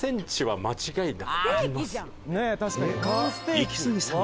イキスギさん